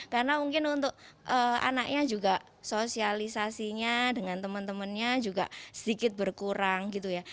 karena mungkin untuk anaknya juga sosialisasinya dengan teman temannya juga sedikit berkurang gitu ya